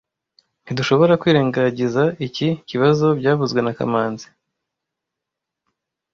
Ntidushobora kwirengagiza iki kibazo byavuzwe na kamanzi